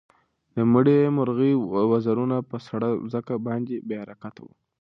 د مړې مرغۍ وزرونه په سړه ځمکه باندې بې حرکته وو.